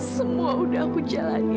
semua udah aku jalani